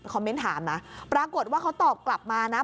คอมเมนต์ถามนะปรากฏว่าเขาตอบกลับมานะ